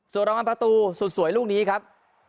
ส่วนรางวัลประตูสุดสวยลูกนี้ครับ